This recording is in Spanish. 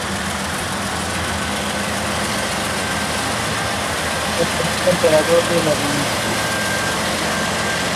Fue miembro del Partido Conservador, donde llegó a ser director general.